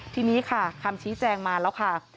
ทีนี้ค่ะคำชี้แจงมาแล้วค่ะ